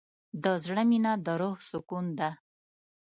د زړه مینه د روح سکون ده.